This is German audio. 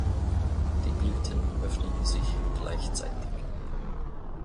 Die Blüten öffnen sich gleichzeitig.